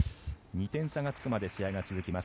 ２点差がつくまで試合が続きます。